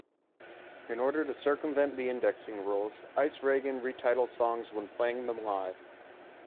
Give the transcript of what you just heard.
In order to circumvent the indexing rules, Eisregen retitle songs when playing them live.